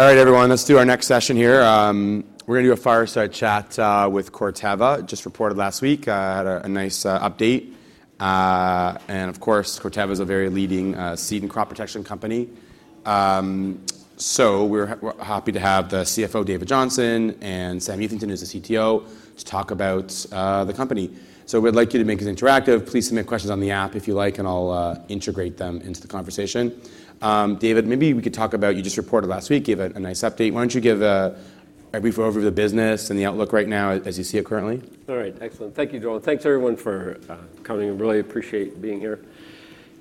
All right, everyone, let's do our next session here. We're going to do a fireside chat with Corteva. Just reported last week, had a nice update. Of course, Corteva is a very leading seed and crop protection company. We're happy to have the CFO, David Johnson, and Sam Eathington, who's the CTO, to talk about the company. We'd like you to make it interactive. Please submit questions on the app if you like, and I'll integrate them into the conversation. David, maybe we could talk about, you just reported last week, gave a nice update. Why don't you give a brief overview of the business and the outlook right now as you see it currently? All right, excellent. Thank you, Joel. Thanks, everyone, for coming. Really appreciate being here.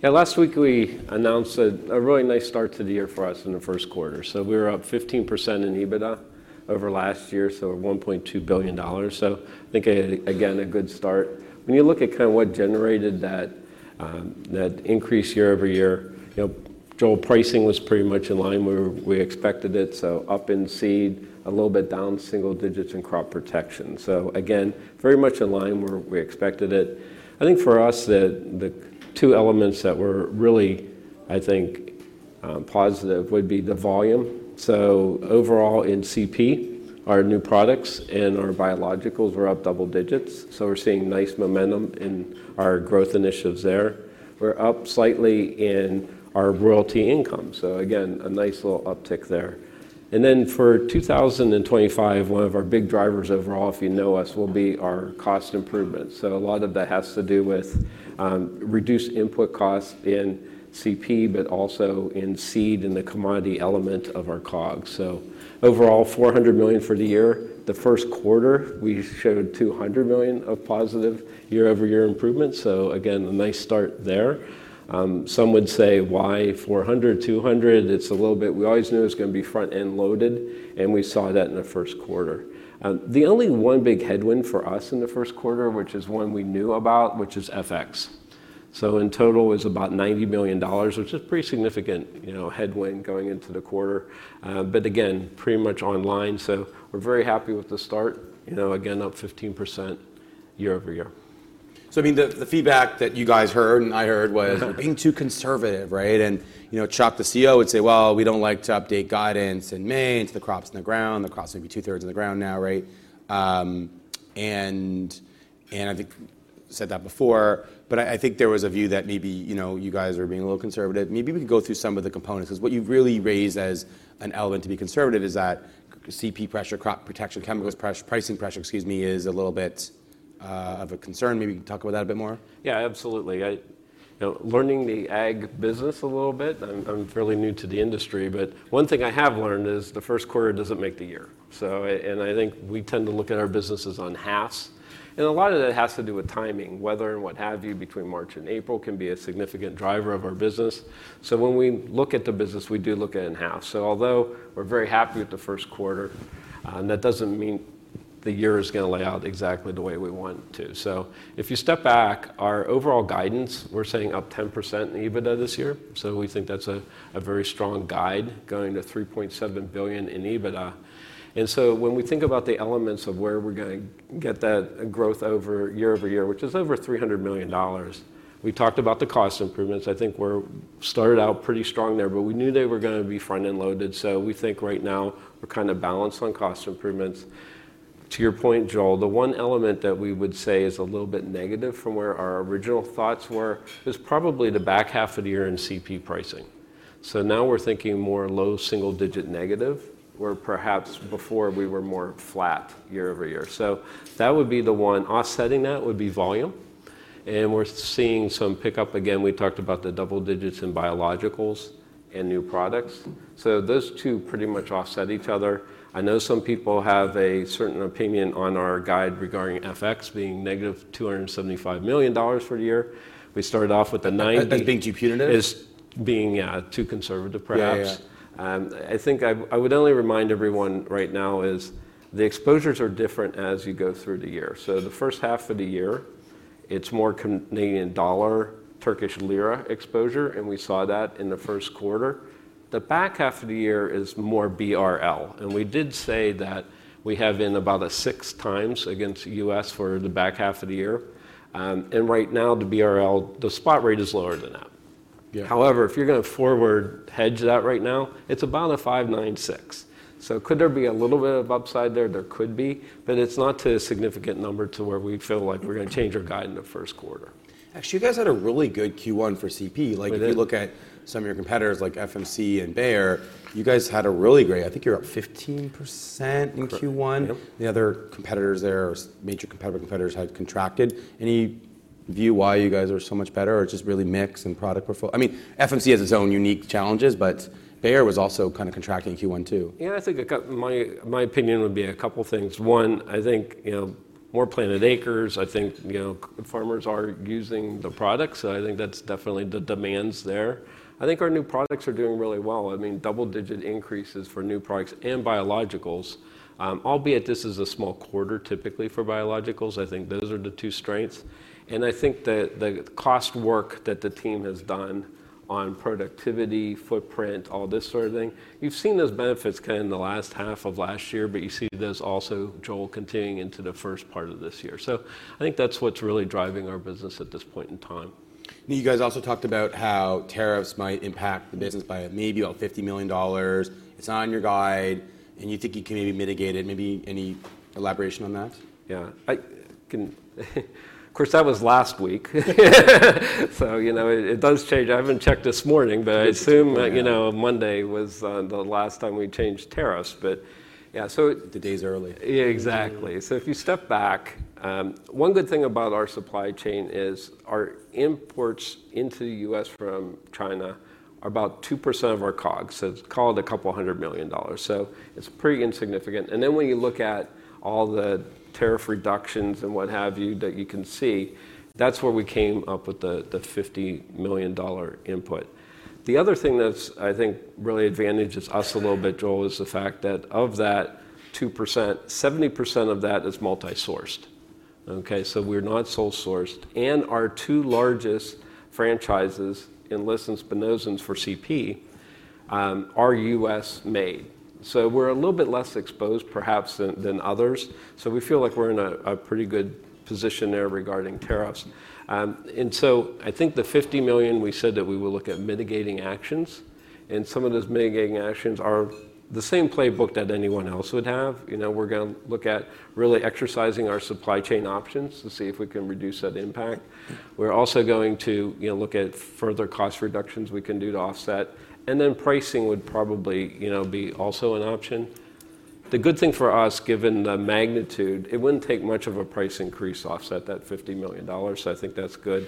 Yeah, last week we announced a really nice start to the year for us in the first quarter. We were up 15% in EBITDA over last year, so $1.2 billion. I think, again, a good start. When you look at kind of what generated that increase year-over-year, you know, Joel, pricing was pretty much in line where we expected it, so up in seed, a little bit down single digits in crop protection. Again, very much in line where we expected it. I think for us, the two elements that were really, I think, positive would be the volume. Overall in CP, our new products and our biologicals were up double digits. We're seeing nice momentum in our growth initiatives there. We're up slightly in our royalty income. Again, a nice little uptick there. For 2025, one of our big drivers overall, if you know us, will be our cost improvements. A lot of that has to do with reduced input costs in CP, but also in seed and the commodity element of our COGS. Overall, $400 million for the year. The first quarter, we showed $200 million of positive year-over-year improvement. Again, a nice start there. Some would say, why $400, $200? It's a little bit, we always knew it was going to be front-end loaded, and we saw that in the first quarter. The only one big headwind for us in the first quarter, which is one we knew about, is FX. In total, it was about $90 million, which is a pretty significant, you know, headwind going into the quarter. Again, pretty much online. We're very happy with the start, you know, again, up 15% year-over-year. I mean, the feedback that you guys heard and I heard was being too conservative, right? You know, Chuck, the CEO, would say, we don't like to update guidance in May, it's the crops in the ground, the crops maybe two-thirds in the ground now, right? I think I said that before, but I think there was a view that maybe, you know, you guys are being a little conservative. Maybe we could go through some of the components. Because what you've really raised as an element to be conservative is that CP pressure, crop protection, chemicals pressure, pricing pressure, excuse me, is a little bit of a concern. Maybe you can talk about that a bit more. Yeah, absolutely. I, you know, learning the ag business a little bit. I'm fairly new to the industry, but one thing I have learned is the first quarter doesn't make the year. I think we tend to look at our businesses on halfs. A lot of that has to do with timing, weather and what have you, between March and April can be a significant driver of our business. When we look at the business, we do look at it in halfs. Although we're very happy with the first quarter, that doesn't mean the year is going to lay out exactly the way we want it to. If you step back, our overall guidance, we're saying up 10% in EBITDA this year. We think that's a very strong guide going to $3.7 billion in EBITDA. When we think about the elements of where we're going to get that growth year-over-year, which is over $300 million, we talked about the cost improvements. I think we started out pretty strong there, but we knew they were going to be front-end loaded. We think right now we're kind of balanced on cost improvements. To your point, Joel, the one element that we would say is a little bit negative from where our original thoughts were is probably the back half of the year in CP pricing. Now we're thinking more low single-digit negative, where perhaps before we were more flat year-over-year. That would be the one offsetting. That would be volume. We're seeing some pickup again. We talked about the double digits in biologicals and new products. Those two pretty much offset each other. I know some people have a certain opinion on our guide regarding FX being -$275 million for the year. We started off with a 90. That being too punitive? Being, yeah, too conservative, perhaps. I think I would only remind everyone right now is the exposures are different as you go through the year. The first half of the year, it's more Canadian dollar, Turkish lira exposure, and we saw that in the first quarter. The back half of the year is more BRL. We did say that we have in about a six times against the US for the back half of the year. Right now the BRL, the spot rate is lower than that. However, if you're going to forward hedge that right now, it's about a 5.96. Could there be a little bit of upside there? There could be, but it's not to a significant number to where we feel like we're going to change our guide in the first quarter. Actually, you guys had a really good Q1 for CP. Like if you look at some of your competitors like FMC and Bayer, you guys had a really great, I think you're up 15% in Q1. The other competitors there, major competitors, had contracted. Any view why you guys are so much better or just really mix and product portfolio? I mean, FMC has its own unique challenges, but Bayer was also kind of contracting in Q1 too. Yeah, I think my opinion would be a couple of things. One, I think, you know, more planted acres. I think, you know, farmers are using the products. I think that's definitely the demand's there. I think our new products are doing really well. I mean, double-digit increases for new products and biologicals, albeit this is a small quarter typically for biologicals. I think those are the two strengths. I think that the cost work that the team has done on productivity, footprint, all this sort of thing, you've seen those benefits kind of in the last half of last year, but you see this also, Joel, continuing into the first part of this year. I think that's what's really driving our business at this point in time. You guys also talked about how tariffs might impact the business by maybe about $50 million. It's not on your guide, and you think you can maybe mitigate it. Maybe any elaboration on that? Yeah, I can, of course, that was last week. You know, it does change. I haven't checked this morning, but I assume that, you know, Monday was the last time we changed tariffs. Yeah. Two days early. Yeah, exactly. If you step back, one good thing about our supply chain is our imports into the U.S. from China are about 2% of our COGS. It is called a couple hundred million dollars, so it is pretty insignificant. When you look at all the tariff reductions and what have you that you can see, that is where we came up with the $50 million input. The other thing that is, I think, really advantages us a little bit, Joel, is the fact that of that 2%, 70% of that is multi-sourced. We are not sole-sourced. Our two largest franchises in Lisson's Spinozans for CP are U.S.-made. We are a little bit less exposed, perhaps, than others. We feel like we are in a pretty good position there regarding tariffs. I think the $50 million, we said that we will look at mitigating actions. Some of those mitigating actions are the same playbook that anyone else would have. You know, we're going to look at really exercising our supply chain options to see if we can reduce that impact. We're also going to, you know, look at further cost reductions we can do to offset. Pricing would probably, you know, be also an option. The good thing for us, given the magnitude, it wouldn't take much of a price increase to offset that $50 million. I think that's good.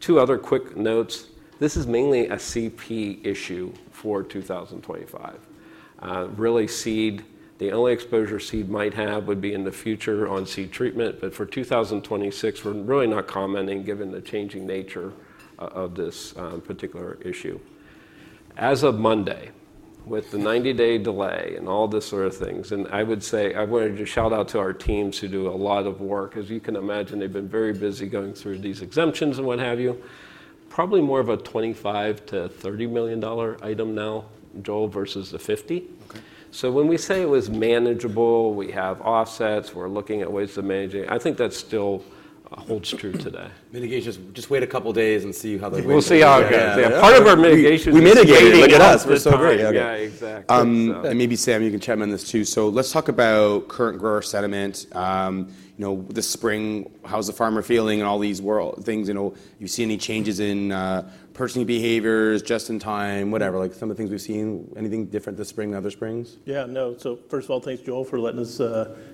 Two other quick notes. This is mainly a CP issue for 2025. Really, seed, the only exposure seed might have would be in the future on seed treatment. For 2026, we're really not commenting given the changing nature of this particular issue. As of Monday, with the 90-day delay and all this sort of things, I would say I wanted to shout out to our teams who do a lot of work, as you can imagine, they've been very busy going through these exemptions and what have you. Probably more of a $25 million-$30 million item now, Joel, versus the $50 million. When we say it was manageable, we have offsets, we're looking at ways to manage it. I think that still holds true today. Mitigations, just wait a couple of days and see how they work. We'll see how it goes. Part of our mitigation is mitigating. We're mitigating. Look at us. We're still here. Yeah, exactly. Maybe Sam, you can chime in this too. Let's talk about current grower sentiment. You know, this spring, how's the farmer feeling and all these world things? You know, you've seen any changes in purchasing behaviors, just in time, whatever, like some of the things we've seen, anything different this spring, other springs? Yeah, no. First of all, thanks, Joel, for letting us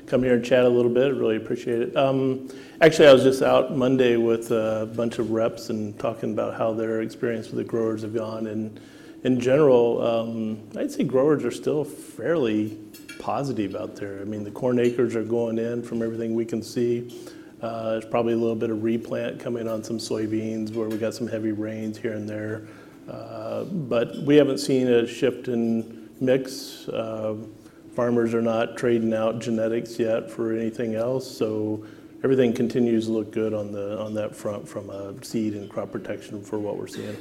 come here and chat a little bit. Really appreciate it. Actually, I was just out Monday with a bunch of reps and talking about how their experience with the growers have gone. In general, I'd say growers are still fairly positive out there. I mean, the corn acres are going in from everything we can see. There's probably a little bit of replant coming on some soybeans where we got some heavy rains here and there. We haven't seen a shift in mix. Farmers are not trading out genetics yet for anything else. Everything continues to look good on that front from a seed and crop protection for what we're seeing.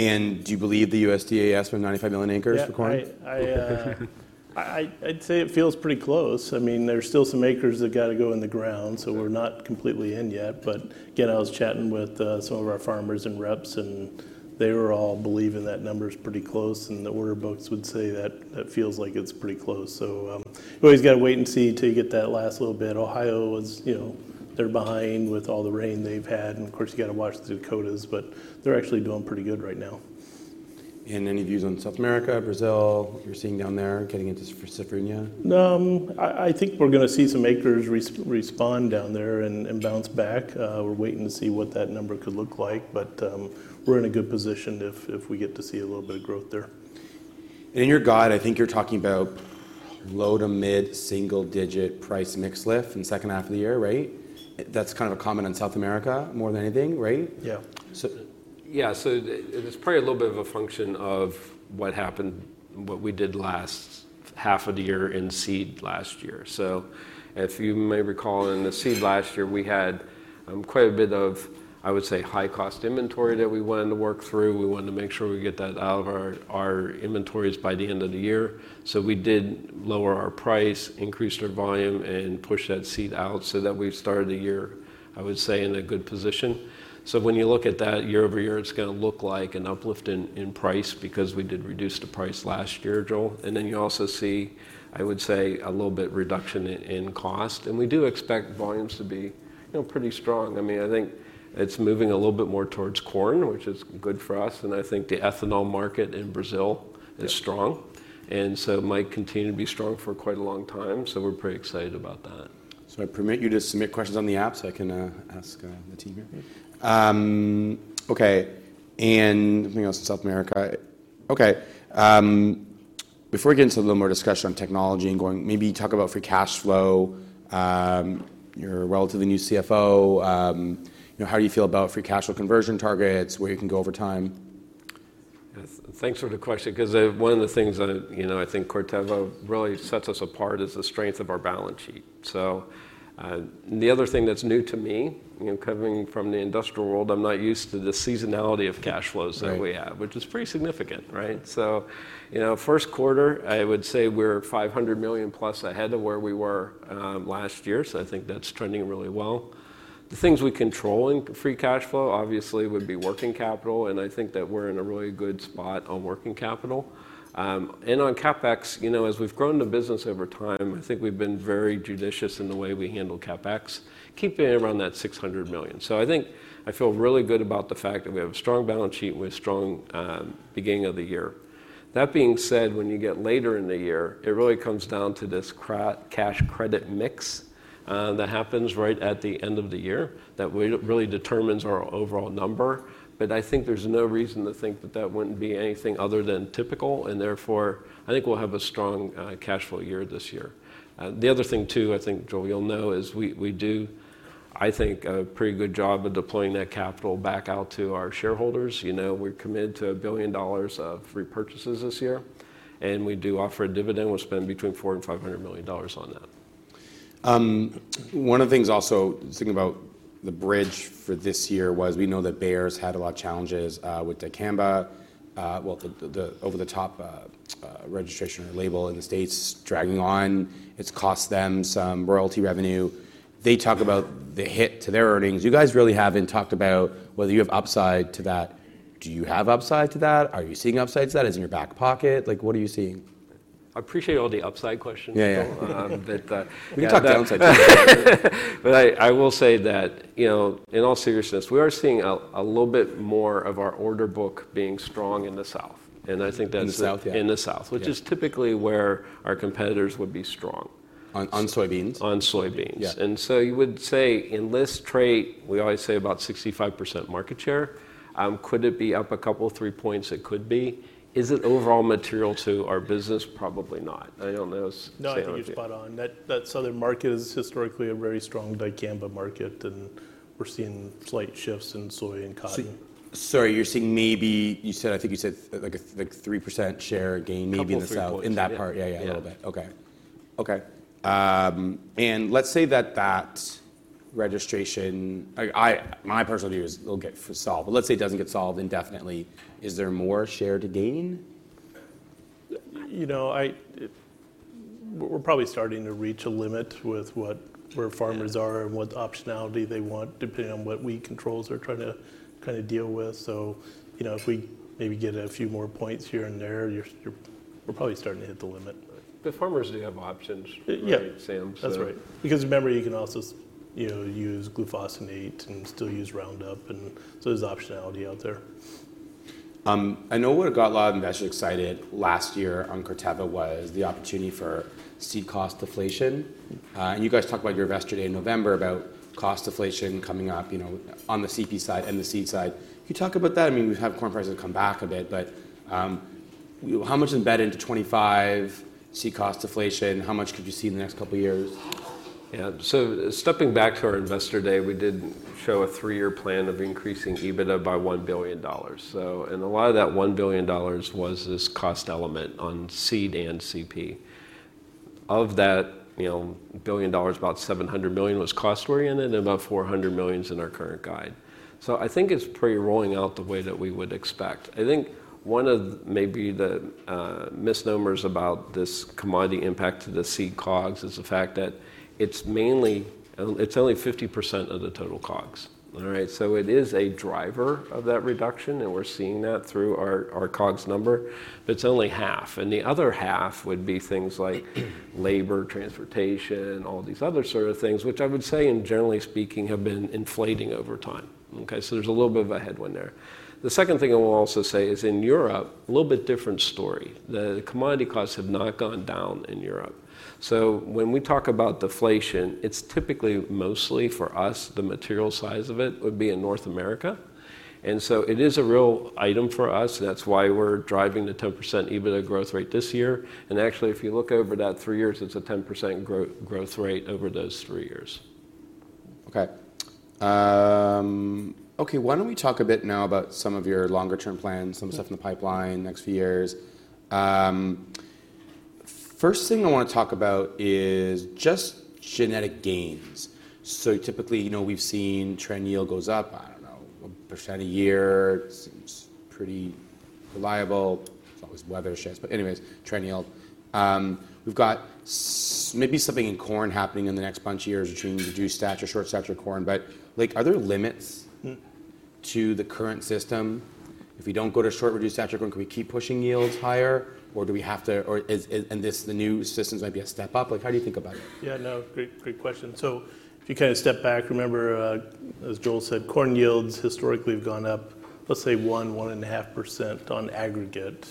Do you believe the USDA asked for 95 million acres for corn? Yeah, I'd say it feels pretty close. I mean, there's still some acres that got to go in the ground, so we're not completely in yet. Again, I was chatting with some of our farmers and reps, and they were all believing that number's pretty close, and the order books would say that that feels like it's pretty close. Anyways, got to wait and see till you get that last little bit. Ohio was, you know, they're behind with all the rain they've had. Of course, you got to watch the Dakotas, but they're actually doing pretty good right now. Any views on South America, Brazil, what you're seeing down there, getting into the Sicerina? I think we're going to see some acres respond down there and bounce back. We're waiting to see what that number could look like, but we're in a good position if we get to see a little bit of growth there. In your guide, I think you're talking about low to mid single-digit price mix lift in the second half of the year, right? That's kind of a comment on South America more than anything, right? Yeah, so it's probably a little bit of a function of what happened, what we did last half of the year in seed last year. If you may recall in the seed last year, we had quite a bit of, I would say, high-cost inventory that we wanted to work through. We wanted to make sure we get that out of our inventories by the end of the year. We did lower our price, increase our volume, and push that seed out so that we started the year, I would say, in a good position. When you look at that year-over-year, it's going to look like an uplift in price because we did reduce the price last year, Joel. You also see, I would say, a little bit of reduction in cost. We do expect volumes to be, you know, pretty strong. I mean, I think it's moving a little bit more towards corn, which is good for us. I think the ethanol market in Brazil is strong. It might continue to be strong for quite a long time. We are pretty excited about that. I permit you to submit questions on the app so I can ask the team here. Okay. And something else in South America. Okay. Before we get into a little more discussion on technology and going, maybe talk about free cash flow. You're a relatively new CFO. You know, how do you feel about free cash flow conversion targets? Where you can go over time? Thanks for the question. Because one of the things that, you know, I think Corteva really sets us apart is the strength of our balance sheet. The other thing that's new to me, you know, coming from the industrial world, I'm not used to the seasonality of cash flows that we have, which is pretty significant, right? You know, first quarter, I would say we're $500 million plus ahead of where we were last year. I think that's trending really well. The things we control in free cash flow, obviously, would be working capital. I think that we're in a really good spot on working capital. On CapEx, you know, as we've grown the business over time, I think we've been very judicious in the way we handle CapEx, keeping it around that $600 million. I think I feel really good about the fact that we have a strong balance sheet with strong, beginning of the year. That being said, when you get later in the year, it really comes down to this cash credit mix, that happens right at the end of the year that really determines our overall number. I think there's no reason to think that that wouldn't be anything other than typical. Therefore, I think we'll have a strong, cash flow year this year. The other thing too, I think, Joel, you'll know is we do, I think, a pretty good job of deploying that capital back out to our shareholders. You know, we're committed to $1 billion of repurchases this year. We do offer a dividend. We'll spend between $400 million and $500 million on that. One of the things also thinking about the bridge for this year was we know that Bayer's had a lot of challenges, with the Dicamba, well, the over-the-top, registration or label in the States dragging on. It's cost them some royalty revenue. They talk about the hit to their earnings. You guys really haven't talked about whether you have upside to that. Do you have upside to that? Are you seeing upside to that? Is it in your back pocket? Like, what are you seeing? I appreciate all the upside questions. Yeah, yeah. but, We can talk downside too. I will say that, you know, in all seriousness, we are seeing a little bit more of our order book being strong in the South. I think that's. In the South, yeah. In the South, which is typically where our competitors would be strong. On soybeans. On soybeans. You would say in this trade, we always say about 65% market share. Could it be up a couple of three points? It could be. Is it overall material to our business? Probably not. I don't know. No, I think you're spot on. That Southern market is historically a very strong big canola market. We're seeing slight shifts in soy and cotton. Sorry, you're saying, maybe you said, I think you said like a 3% share gain, maybe in the South, in that part. Yeah, yeah, a little bit. Okay. Okay. Let's say that that registration, my personal view is it'll get solved. Let's say it doesn't get solved indefinitely. Is there more share to gain? You know, we're probably starting to reach a limit with what where farmers are and what optionality they want, depending on what weed controls they're trying to kind of deal with. You know, if we maybe get a few more points here and there, we're probably starting to hit the limit. The farmers do have options. Yeah, Sam. That's right. Because remember, you can also, you know, use glufosinate and still use Roundup. And so there's optionality out there. I know what got a lot of investors excited last year on Corteva was the opportunity for seed cost deflation. You guys talked about your investor day in November about cost deflation coming up, you know, on the seed side and the seed side. Can you talk about that? I mean, we've had corn prices come back a bit, but how much is embedded into 2025 seed cost deflation? How much could you see in the next couple of years? Yeah, so stepping back to our investor day, we did show a three-year plan of increasing EBITDA by $1 billion. So, and a lot of that $1 billion was this cost element on seed and CP. Of that, you know, billion dollars, about $700 million was cost-oriented and about $400 million's in our current guide. I think it's pretty rolling out the way that we would expect. I think one of maybe the misnomers about this commodity impact to the seed COGS is the fact that it's mainly, it's only 50% of the total COGS. All right. It is a driver of that reduction, and we're seeing that through our COGS number, but it's only half. The other half would be things like labor, transportation, all these other sort of things, which I would say, generally speaking, have been inflating over time. Okay. There is a little bit of a headwind there. The second thing I will also say is in Europe, a little bit different story. The commodity costs have not gone down in Europe. When we talk about deflation, it is typically mostly for us, the material size of it would be in North America. It is a real item for us. That is why we are driving the 10% EBITDA growth rate this year. Actually, if you look over that three years, it is a 10% growth rate over those three years. Okay. Okay, why don't we talk a bit now about some of your longer-term plans, some stuff in the pipeline, next few years. First thing I want to talk about is just genetic gains. Typically, you know, we've seen trend yield goes up, I don't know, a percent a year. It seems pretty reliable. It's always weather shifts, but anyways, trend yield. We've got maybe something in corn happening in the next bunch of years between reduced stature or short stature corn, but like, are there limits to the current system? If we don't go to short reduced stature corn, can we keep pushing yields higher? Or do we have to, or is, and this, the new systems might be a step up? Like, how do you think about it? Yeah, no, great, great question. If you kind of step back, remember, as Joel said, corn yields historically have gone up, let's say 1-1.5% on aggregate.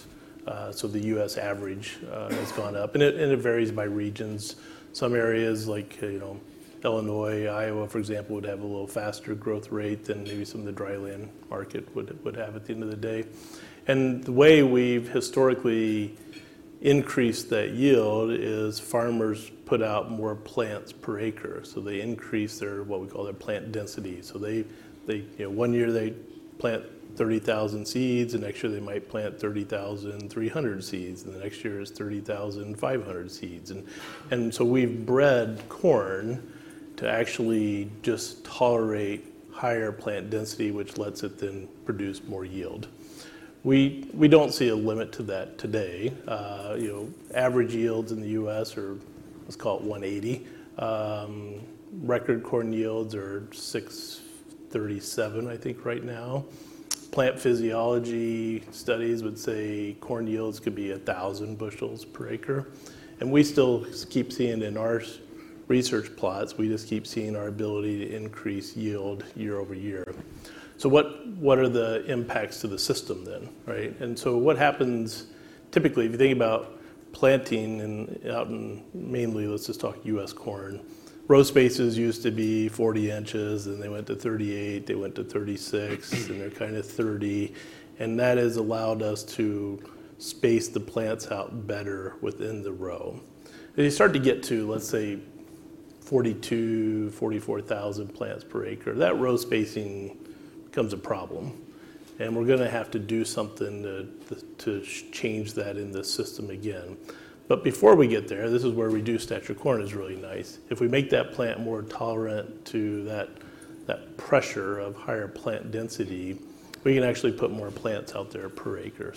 The U.S. average has gone up. It varies by regions. Some areas like, you know, Illinois, Iowa, for example, would have a little faster growth rate than maybe some of the dry land market would have at the end of the day. The way we've historically increased that yield is farmers put out more plants per acre. They increase their, what we call their plant density. They, you know, one year they plant 30,000 seeds, and next year they might plant 30,300 seeds, and the next year is 30,500 seeds. We have bred corn to actually just tolerate higher plant density, which lets it then produce more yield. We do not see a limit to that today. You know, average yields in the U.S. are, let's call it 180. Record corn yields are 637, I think right now. Plant physiology studies would say corn yields could be 1,000 bushels per acre. We still keep seeing in our research plots, we just keep seeing our ability to increase yield year-over-year. What are the impacts to the system then, right? What happens typically if you think about planting and out in mainly, let's just talk U.S. corn, row spaces used to be 40 inches and they went to 38, they went to 36 and they are kind of 30. That has allowed us to space the plants out better within the row. You start to get to, let's say, 42,000-44,000 plants per acre, that row spacing becomes a problem. We are going to have to do something to change that in the system again. Before we get there, this is where reduced stature corn is really nice. If we make that plant more tolerant to that pressure of higher plant density, we can actually put more plants out there per acre.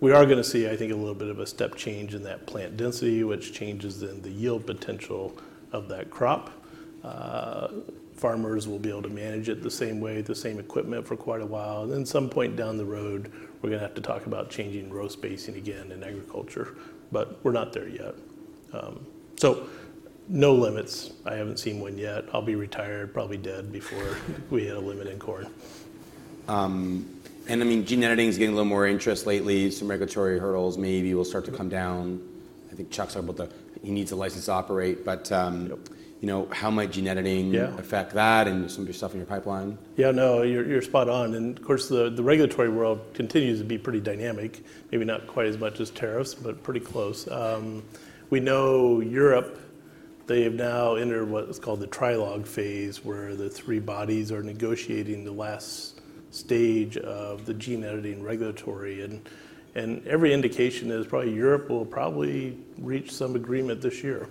We are going to see, I think, a little bit of a step change in that plant density, which changes the yield potential of that crop. Farmers will be able to manage it the same way, the same equipment for quite a while. At some point down the road, we are going to have to talk about changing row spacing again in agriculture, but we are not there yet. No limits. I haven't seen one yet. I'll be retired, probably dead before we had a limit in corn. I mean, gene editing is getting a little more interest lately. Some regulatory hurdles maybe will start to come down. I think Chuck's talking about the, he needs a license to operate, but, you know, how might gene editing affect that and some of your stuff in your pipeline? Yeah, no, you're spot on. Of course, the regulatory world continues to be pretty dynamic, maybe not quite as much as tariffs, but pretty close. We know Europe, they have now entered what's called the trilog phase where the three bodies are negotiating the last stage of the gene editing regulatory. Every indication is probably Europe will probably reach some agreement this year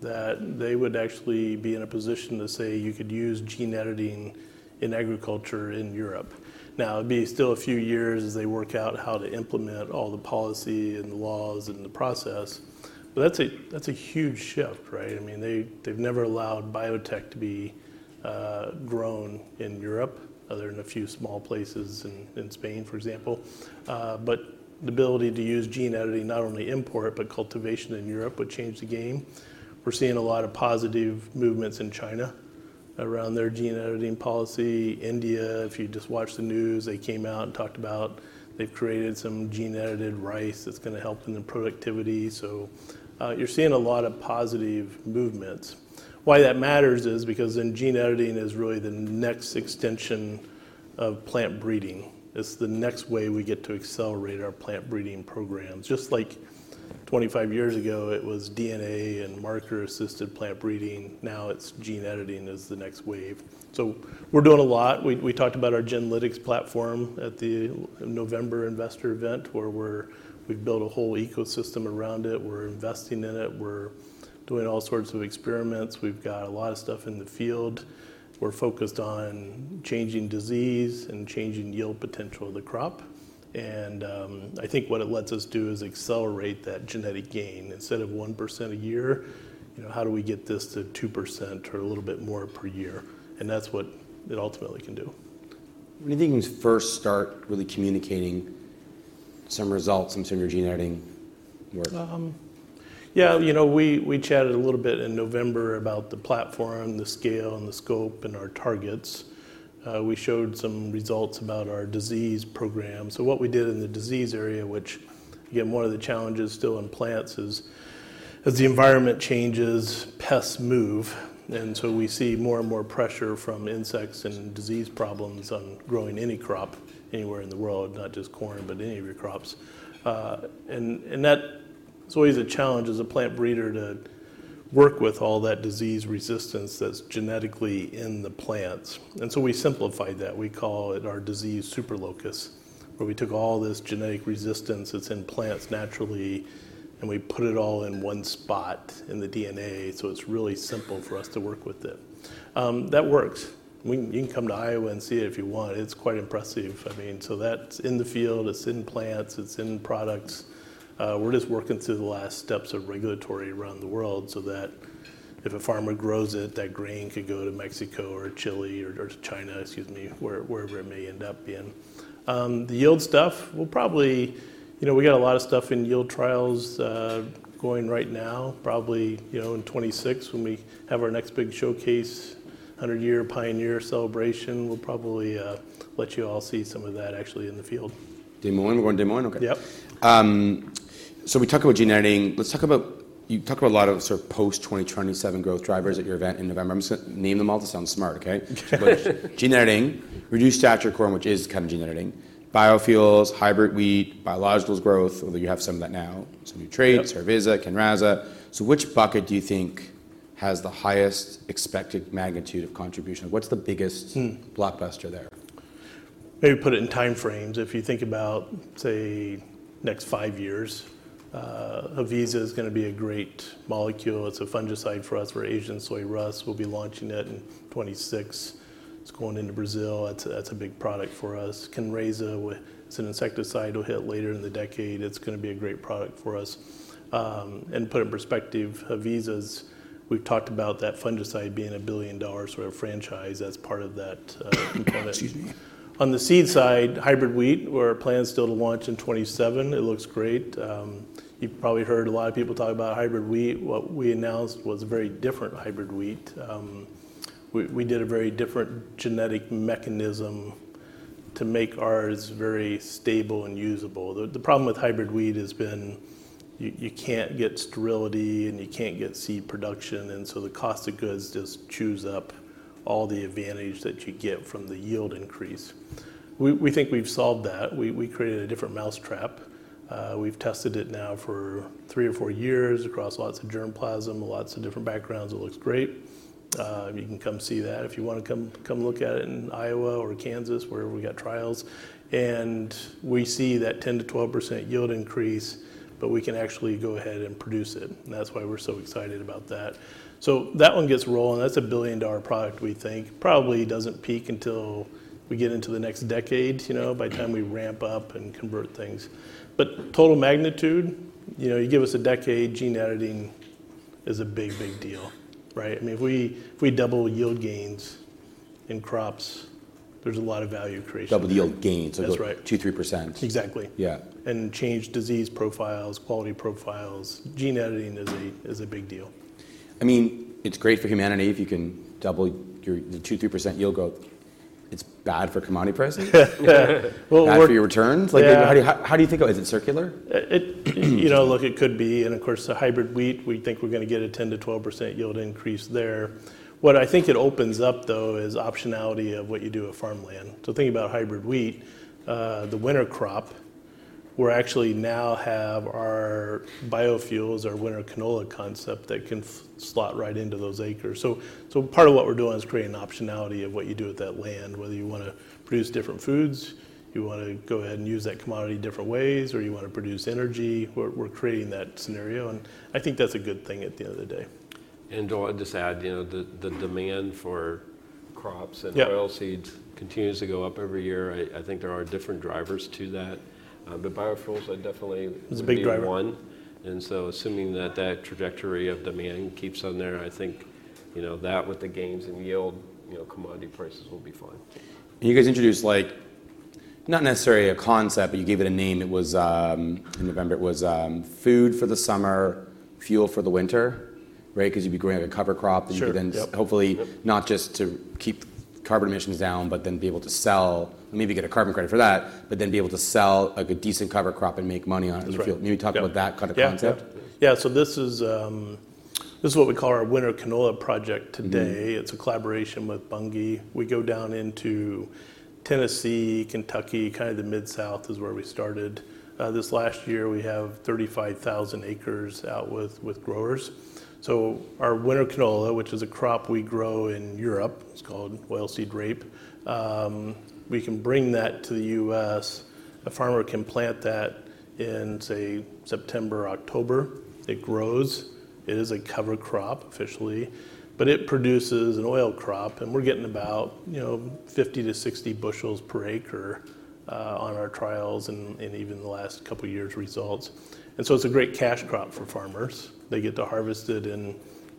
that they would actually be in a position to say you could use gene editing in agriculture in Europe. Now it'd be still a few years as they work out how to implement all the policy and the laws and the process. That's a huge shift, right? I mean, they've never allowed biotech to be grown in Europe, other than a few small places in Spain, for example. The ability to use gene editing, not only import, but cultivation in Europe would change the game. We're seeing a lot of positive movements in China around their gene editing policy. India, if you just watch the news, they came out and talked about they've created some gene-edited rice that's going to help in the productivity. You're seeing a lot of positive movements. Why that matters is because then gene editing is really the next extension of plant breeding. It's the next way we get to accelerate our plant breeding programs. Just like 25 years ago, it was DNA and marker-assisted plant breeding. Now it's gene editing is the next wave. We're doing a lot. We talked about our genetics platform at the November investor event where we've built a whole ecosystem around it. We're investing in it. We're doing all sorts of experiments. We've got a lot of stuff in the field. We're focused on changing disease and changing yield potential of the crop. I think what it lets us do is accelerate that genetic gain. Instead of 1% a year, you know, how do we get this to 2% or a little bit more per year? That's what it ultimately can do. When do you think we first start really communicating some results and some gene editing work? Yeah, you know, we chatted a little bit in November about the platform, the scale and the scope and our targets. We showed some results about our disease program. What we did in the disease area, which, again, one of the challenges still in plants is, as the environment changes, pests move. We see more and more pressure from insects and disease problems on growing any crop anywhere in the world, not just corn, but any of your crops. That's always a challenge as a plant breeder to work with all that disease resistance that's genetically in the plants. We simplified that. We call it our disease super locus, where we took all this genetic resistance that's in plants naturally, and we put it all in one spot in the DNA. It is really simple for us to work with it. That works. You can come to Iowa and see it if you want. It's quite impressive. I mean, that's in the field. It's in plants. It's in products. We're just working through the last steps of regulatory around the world so that if a farmer grows it, that grain could go to Mexico or Chile or China, excuse me, wherever it may end up being. The yield stuff, we'll probably, you know, we got a lot of stuff in yield trials going right now, probably, you know, in 2026 when we have our next big showcase, 100-year Pioneer celebration, we'll probably let you all see some of that actually in the field. Day one, one day one. Okay. Yep. We talked about gene editing. Let's talk about, you talked about a lot of sort of post-2027 growth drivers at your event in November. I'm just going to name them all to sound smart, okay? Gene editing, reduced stature corn, which is kind of gene editing, biofuels, hybrid wheat, biological growth, although you have some of that now, some new traits, Cereviza, Canraza. So which bucket do you think has the highest expected magnitude of contribution? What's the biggest blockbuster there? Maybe put it in time frames. If you think about, say, next five years, Haviza is going to be a great molecule. It's a fungicide for us, for Asian soy rust. We'll be launching it in 2026. It's going into Brazil. That's a big product for us. Canraza, it's an insecticide it'll hit later in the decade. It's going to be a great product for us. And put in perspective, Haviza's, we've talked about that fungicide being a billion dollar sort of franchise as part of that, excuse me. On the seed side, hybrid wheat, where our plan is still to launch in 2027, it looks great. You've probably heard a lot of people talk about hybrid wheat. What we announced was a very different hybrid wheat. We did a very different genetic mechanism to make ours very stable and usable. The problem with hybrid wheat has been you can't get sterility and you can't get seed production. The cost of goods just chews up all the advantage that you get from the yield increase. We think we've solved that. We created a different mousetrap. We've tested it now for three or four years across lots of germplasm, lots of different backgrounds. It looks great. You can come see that if you want to come look at it in Iowa or Kansas where we got trials. We see that 10-12% yield increase, but we can actually go ahead and produce it. That is why we're so excited about that. Once that one gets rolling, that's a billion dollar product, we think. It probably does not peak until we get into the next decade, you know, by the time we ramp up and convert things. Total magnitude, you know, you give us a decade, gene editing is a big, big deal, right? I mean, if we, if we double yield gains in crops, there is a lot of value creation. Double the yield gains. That's right. Two, three %. Exactly. Yeah. Change disease profiles, quality profiles. Gene editing is a, is a big deal. I mean, it's great for humanity if you can double your, the 2-3% yield growth. It's bad for commodity pricing. Yeah. Bad for your returns. Like, how do you, how do you think about, is it circular? It, you know, look, it could be. Of course, the hybrid wheat, we think we're going to get a 10-12% yield increase there. What I think it opens up though is optionality of what you do with farmland. Thinking about hybrid wheat, the winter crop, we actually now have our biofuels, our winter canola concept that can slot right into those acres. Part of what we're doing is creating optionality of what you do with that land, whether you want to produce different foods, you want to go ahead and use that commodity different ways, or you want to produce energy, we're creating that scenario. I think that's a good thing at the end of the day. Joel, I'd just add, you know, the demand for crops and oilseeds continues to go up every year. I think there are different drivers to that, but biofuels, I definitely. It's a big driver. One. Assuming that that trajectory of demand keeps on there, I think, you know, that with the gains in yield, you know, commodity prices will be fine. You guys introduced like, not necessarily a concept, but you gave it a name. It was, in November, it was, food for the summer, fuel for the winter, right? Because you'd be growing like a cover crop. Sure. Hopefully not just to keep carbon emissions down, but then be able to sell, maybe get a carbon credit for that, but then be able to sell like a decent cover crop and make money on it. Right. Maybe talk about that kind of concept. Yeah. This is what we call our winter canola project today. It is a collaboration with Bungi. We go down into Tennessee, Kentucky, kind of the mid-south is where we started. This last year we have 35,000 acres out with growers. Our winter canola, which is a crop we grow in Europe, is called oilseed rape. We can bring that to the U.S. A farmer can plant that in, say, September, October. It grows. It is a cover crop officially, but it produces an oil crop. We are getting about, you know, 50-60 bushels per acre on our trials and even the last couple years results. It is a great cash crop for farmers. They get to harvest it in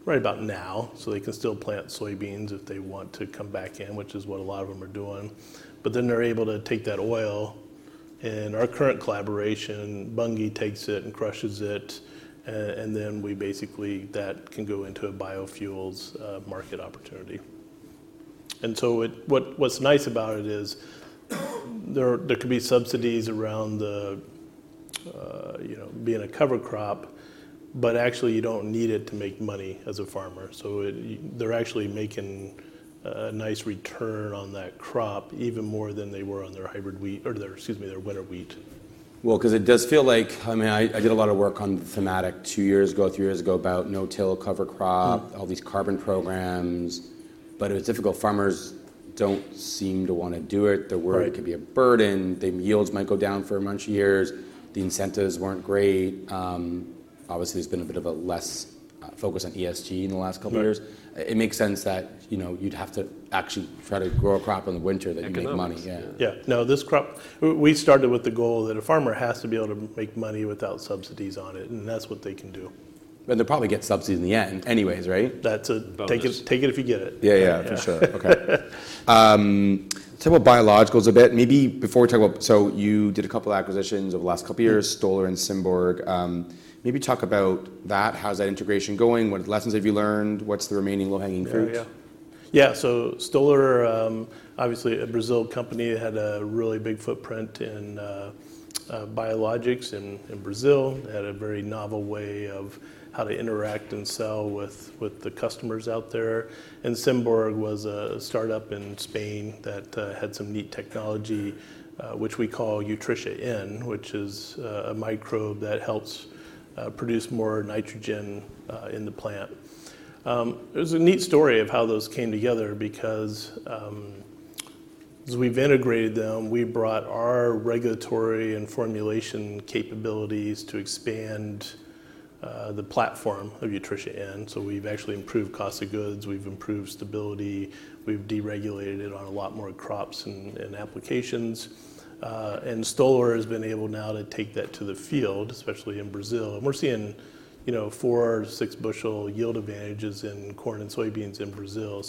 right about now, so they can still plant soybeans if they want to come back in, which is what a lot of them are doing. They are able to take that oil and our current collaboration, Bungi takes it and crushes it. We basically, that can go into a biofuels market opportunity. What is nice about it is there could be subsidies around the, you know, being a cover crop, but actually you do not need it to make money as a farmer. They are actually making a nice return on that crop, even more than they were on their hybrid wheat or their, excuse me, their winter wheat. Because it does feel like, I mean, I did a lot of work on the thematic two years ago, three years ago about no-till cover crop, all these carbon programs, but it was difficult. Farmers do not seem to want to do it. They are worried it could be a burden. The yields might go down for a bunch of years. The incentives were not great. Obviously there has been a bit of a less focus on ESG in the last couple of years. It makes sense that, you know, you would have to actually try to grow a crop in the winter that you make money. Yeah. Yeah. No, this crop, we started with the goal that a farmer has to be able to make money without subsidies on it, and that's what they can do. They'll probably get subsidies in the end anyways, right? That's it. Take it, take it if you get it. Yeah. Yeah. For sure. Okay. Talk about biologicals a bit. Maybe before we talk about, so you did a couple of acquisitions over the last couple of years, Stoller and Simborg. Maybe talk about that. How's that integration going? What lessons have you learned? What's the remaining low-hanging fruit? Yeah. Yeah. Stoller, obviously a Brazil company, had a really big footprint in biologics in Brazil. They had a very novel way of how to interact and sell with the customers out there. Simborg was a startup in Spain that had some neat technology, which we call Utrisha N, which is a microbe that helps produce more nitrogen in the plant. It was a neat story of how those came together because, as we've integrated them, we brought our regulatory and formulation capabilities to expand the platform of Utrisha N. We've actually improved cost of goods. We've improved stability. We've deregulated it on a lot more crops and applications. Stoller has been able now to take that to the field, especially in Brazil. We're seeing, you know, four-six bushel yield advantages in corn and soybeans in Brazil.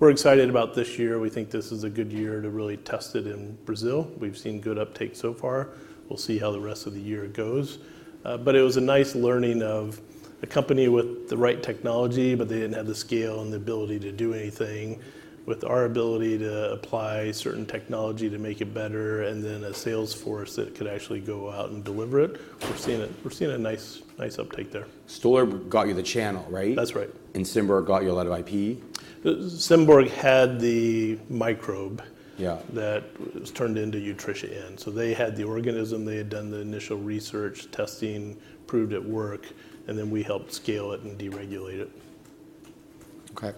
We're excited about this year. We think this is a good year to really test it in Brazil. We've seen good uptake so far. We'll see how the rest of the year goes. It was a nice learning of a company with the right technology, but they didn't have the scale and the ability to do anything with our ability to apply certain technology to make it better and then a sales force that could actually go out and deliver it. We're seeing it. We're seeing a nice, nice uptake there. Stoller got you the channel, right? That's right. Simborg got you a lot of IP. Simborg had the microbe. Yeah. That was turned into Utrisha N. They had the organism. They had done the initial research, testing, proved it worked, and then we helped scale it and deregulate it. Okay.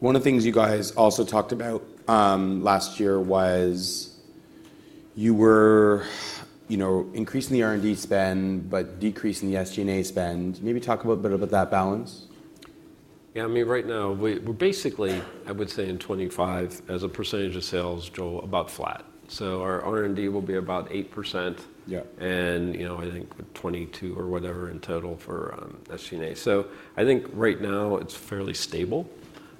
One of the things you guys also talked about last year was you were, you know, increasing the R&D spend, but decreasing the SG&A spend. Maybe talk a little bit about that balance. Yeah. I mean, right now we, we're basically, I would say in 2025, as a percentage of sales, Joel, about flat. So our R&D will be about 8%. Yeah. You know, I think 22 or whatever in total for SG&A. I think right now it's fairly stable,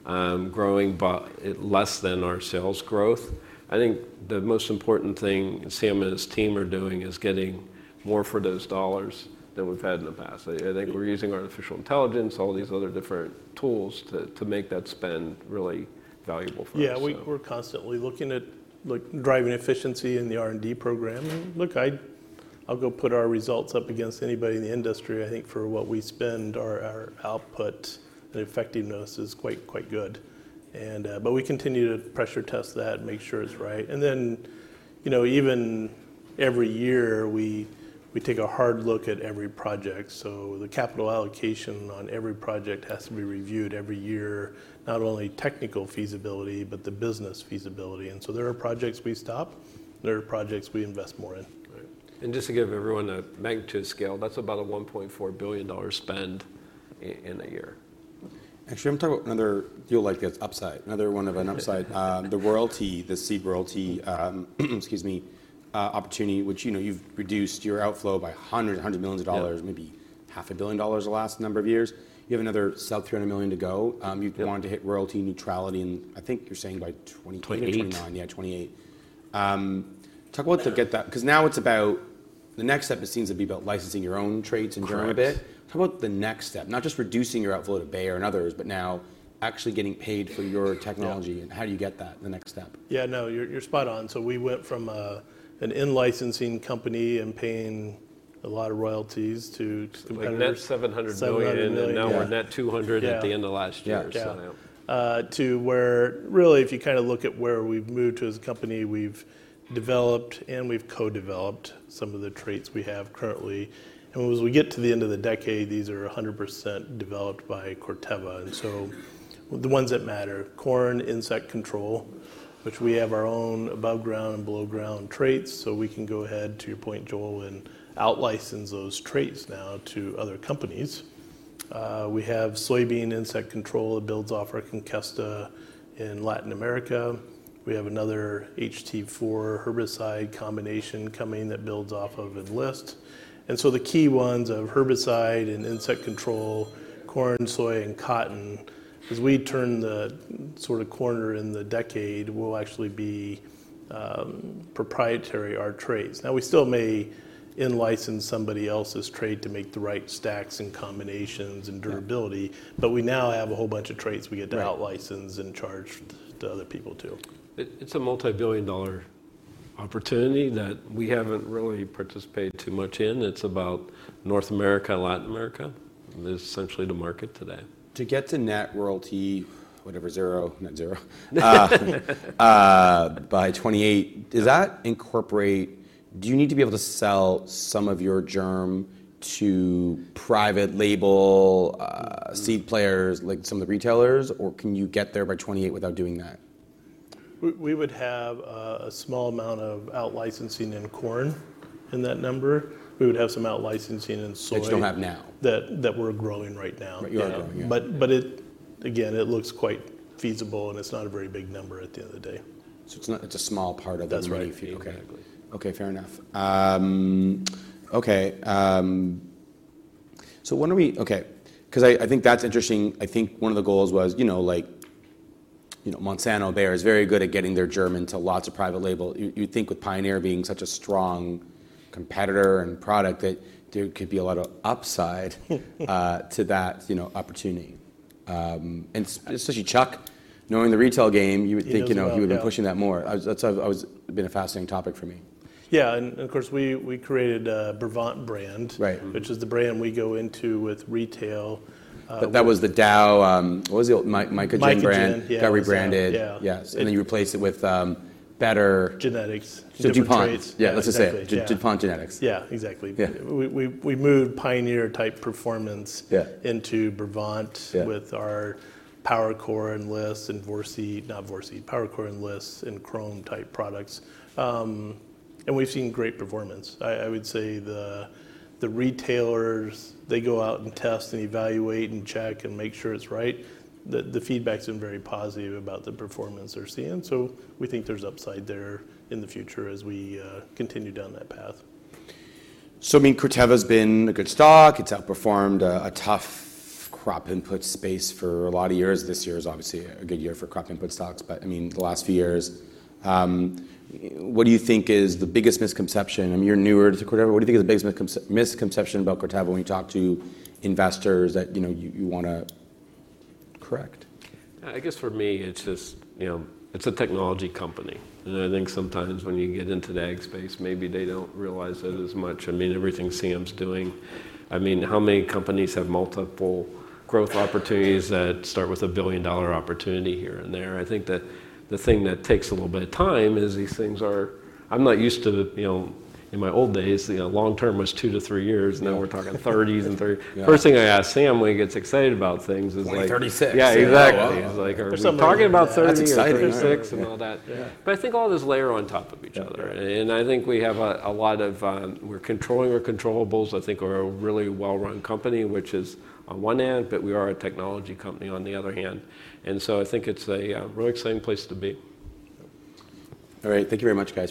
growing, but less than our sales growth. I think the most important thing Sam and his team are doing is getting more for those dollars than we've had in the past. I think we're using artificial intelligence, all these other different tools to make that spend really valuable for us. Yeah. We're constantly looking at, look, driving efficiency in the R&D program. I will go put our results up against anybody in the industry. I think for what we spend, our output and effectiveness is quite, quite good. We continue to pressure test that and make sure it's right. You know, even every year we take a hard look at every project. The capital allocation on every project has to be reviewed every year, not only technical feasibility, but the business feasibility. There are projects we stop. There are projects we invest more in. Right. Just to give everyone a magnitude scale, that's about a $1.4 billion spend in a year. Actually, I'm talking about another deal like that's upside, another one of an upside, the royalty, the seed royalty, excuse me, opportunity, which, you know, you've reduced your outflow by $100 million, $100 million, maybe $500 million the last number of years. You have another sub $300 million to go. You've gone to hit royalty neutrality in, I think you're saying by 2028. 2028. 2029. Yeah. 2028. Talk about to get that, because now it's about the next step, it seems to be about licensing your own traits and germ a bit. Talk about the next step, not just reducing your outflow to Bayer and others, but now actually getting paid for your technology and how do you get that the next step? Yeah. No, you're spot on. We went from an in-licensing company and paying a lot of royalties to kind of. We had $700 billion and now we're net $200 billion at the end of last year. Yeah. To where really if you kind of look at where we've moved as a company, we've developed and we've co-developed some of the traits we have currently. As we get to the end of the decade, these are 100% developed by Corteva. The ones that matter, corn insect control, which we have our own above ground and below ground traits. You can go ahead to your point, Joel, and out-license those traits now to other companies. We have soybean insect control that builds off our Concusta in Latin America. We have another HT4 herbicide combination coming that builds off of Enlist. The key ones of herbicide and insect control, corn, soy, and cotton, as we turn the sort of corner in the decade, will actually be proprietary, our traits. Now we still may in-license somebody else's trait to make the right stacks and combinations and durability, but we now have a whole bunch of traits we get to out-license and charge to other people too. It's a multi-billion dollar opportunity that we haven't really participated too much in. It's about North America, Latin America. There's essentially the market today. To get to net royalty, whatever, zero, net zero, by 2028, does that incorporate, do you need to be able to sell some of your germ to private label, seed players, like some of the retailers, or can you get there by 2028 without doing that? We would have a small amount of out-licensing in corn in that number. We would have some out-licensing in soy. That you do not have now. That we're growing right now. You're growing, yeah. Again, it looks quite feasible and it's not a very big number at the end of the day. It's not, it's a small part of the royalty. That's right. Exactly. Okay. Fair enough. Okay. So when are we, okay, because I think that's interesting. I think one of the goals was, you know, like, you know, Monsanto and Bayer is very good at getting their germ into lots of private label. You think with Pioneer being such a strong competitor and product that there could be a lot of upside to that, you know, opportunity. And especially Chuck, knowing the retail game, you would think, you know, he would have been pushing that more. I was, that's, I was, it'd been a fascinating topic for me. Yeah. Of course we created a Brevant brand. Right. Which is the brand we go into with retail. That was the Dow, what was it? my good tech brand. My good tech. Yeah. That rebranded. Yeah. Yes. You replaced it with better. Genetics. DuPont. Yeah. Let's just say it. DuPont Genetics. Yeah. Exactly. We moved Pioneer type performance. Yeah. Into Brevant with our PowerCore and Lists and Chrome type products. We've seen great performance. I would say the retailers, they go out and test and evaluate and check and make sure it's right. The feedback's been very positive about the performance they're seeing. We think there's upside there in the future as we continue down that path. I mean, Corteva's been a good stock. It's outperformed a tough crop input space for a lot of years. This year is obviously a good year for crop input stocks, but I mean, the last few years, what do you think is the biggest misconception? I mean, you're newer to Corteva. What do you think is the biggest misconception about Corteva when you talk to investors that, you know, you want to correct? I guess for me, it's just, you know, it's a technology company. And I think sometimes when you get into the ag space, maybe they don't realize it as much. I mean, everything Sam's doing, I mean, how many companies have multiple growth opportunities that start with a billion dollar opportunity here and there? I think that the thing that takes a little bit of time is these things are, I'm not used to, you know, in my old days, the long term was two to three years, and now we're talking thirties and thirty. First thing I ask Sam when he gets excited about things is like. Like 36. Yeah. Exactly. It's like. I'm talking about 36. I'm excited for six and all that. Yeah. I think all this layer on top of each other. I think we have a lot of, we're controlling our controllables. I think we're a really well-run company, which is on one end, but we are a technology company on the other hand. I think it's a really exciting place to be. All right. Thank you very much guys.